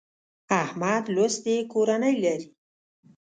احمد لوستې کورنۍ لري.